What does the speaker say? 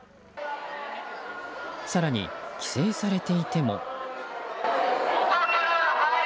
更に規制されていても。